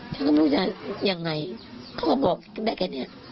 เค้าก็ไม่รู้จะยังไงเค้าก็บอกแบบไงเนี่ย